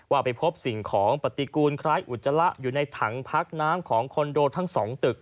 ไปพบสิ่งของปฏิกูลคล้ายอุจจาระอยู่ในถังพักน้ำของคอนโดทั้งสองตึก